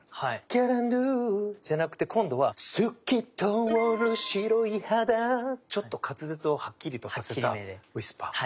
ギャランドゥじゃなくて今度は透き通る白い肌ちょっと滑舌をハッキリとさせたウィスパー。